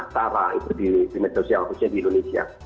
sara itu di media sosial khususnya di indonesia